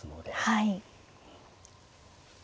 はい。